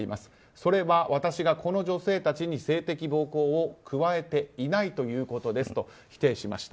それは私がこの女性たちに性的暴行を加えていないということですと否定しました。